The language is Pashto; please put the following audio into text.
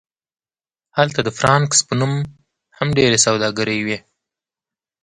هلته د فرانکس په نوم هم ډیرې سوداګرۍ وې